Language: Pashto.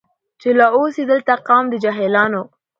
چي لا اوسي دلته قوم د جاهلانو